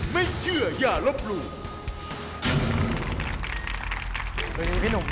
วันนี้พี่หนุ่ม